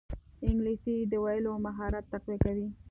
انګلیسي د ویلو مهارت تقویه کوي